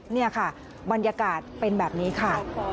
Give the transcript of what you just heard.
นี่ค่ะบรรยากาศเป็นแบบนี้ค่ะ